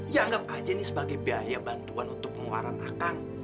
ya anggap aja ini sebagai biaya bantuan untuk pengeluaran akan